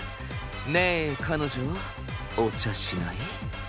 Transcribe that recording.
ねえ彼女お茶しない？